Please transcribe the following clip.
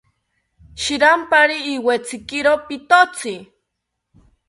Shiranpari iwetzikiro pitotzi